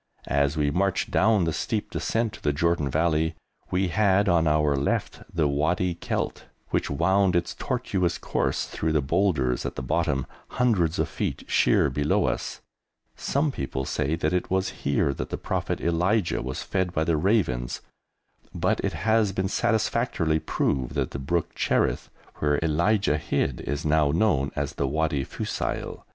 As we marched down the steep descent to the Jordan Valley we had on our left the Wadi Kelt, which wound its tortuous course through the boulders at the bottom, hundreds of feet sheer below us. Some people say that it was here that the Prophet Elijah was fed by the ravens, but it has been satisfactorily proved that the brook Cherith, where Elijah hid, is now known as the Wadi Fusail.